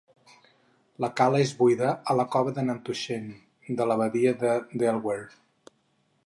La cala es buida a la cova de Nantuxent de la badia de Delaware.